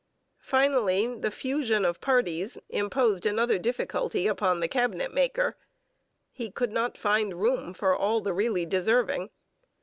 Finally, the fusion of parties imposed another difficulty upon the cabinet maker. He could not find room for all the really deserving.